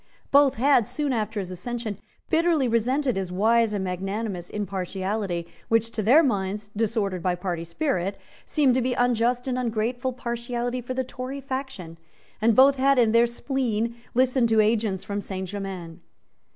Both had, soon after his accession, bitterly resented his wise and magnanimous impartiality, which, to their minds, disordered by party spirit, seemed to be unjust and ungrateful partiality for the Tory faction; and both had, in their spleen, listened to agents from Saint Germains.